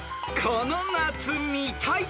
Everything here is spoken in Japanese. ［この夏見たい！